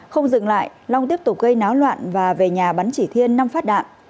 không dừng lại long tiếp tục gây náo loạn và về nhà bắn chỉ thiên năm phát đạn